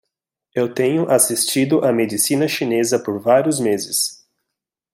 Eu tenho assistido a medicina chinesa por vários meses.